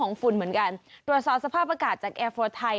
ฝุ่นเหมือนกันตรวจสอบสภาพอากาศจากแอร์โฟร์ไทย